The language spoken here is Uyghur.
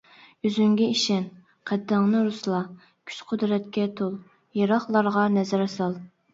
ئۆزۈڭگە ئىشەن، قەددىڭنى رۇسلا، كۈچ-قۇدرەتكە تول، يىراقلارغا نەزەر سال.